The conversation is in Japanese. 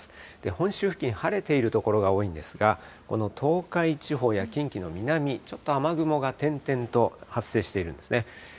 本州付近、晴れている所が多いんですが、この東海地方や近畿の南、ちょっと雨雲が点々と発生しているんですね。